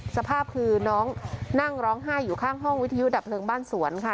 สภาพคือน้องนั่งร้องไห้อยู่ข้างห้องวิทยุดับเพลิงบ้านสวนค่ะ